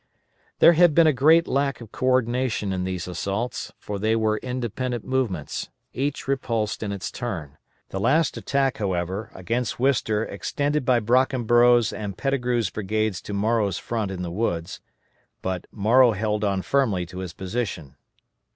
There had been a great lack of co ordination in these assaults, for they were independent movements, each repulsed in its turn. The last attack, however, against Wister by extended by Brockenborough's and Pettigrew's brigades to Morrow's front in the woods, but Morrow held on firmly to his position.